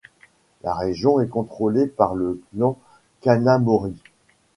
La région est contrôlée par le clan Kanamori.